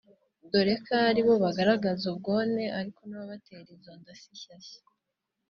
dore ko aribo bagaragaza ubwone ariko n’ababatera izo nda si shyashya